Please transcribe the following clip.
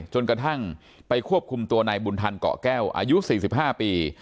จนกระทั่งไปควบคุมตัวในบุญธันเกาะแก้วอายุสี่สิบห้าปี